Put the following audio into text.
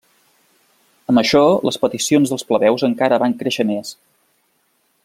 Amb això les peticions dels plebeus encara van créixer més.